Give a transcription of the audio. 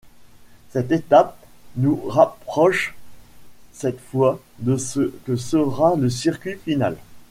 Cette étape nous rapproche cette fois de ce que sera le circuit final.